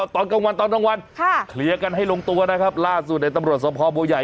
ตอนกลางวันคลียากันให้ลงตัวนะครับล่าสู่ในตำรวจสมภาพบัวใหญ่